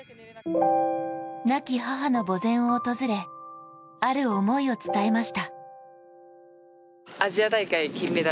亡き母の墓前を訪れある思いを伝えました。